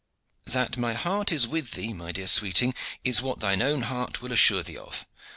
"That my heart is with thee, my dear sweeting, is what thine own heart will assure thee of.